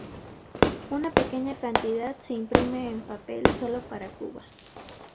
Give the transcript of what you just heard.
Una pequeña cantidad se imprime en papel solo para Cuba.